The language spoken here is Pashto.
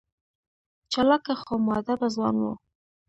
چالاکه خو مودبه ځوان و.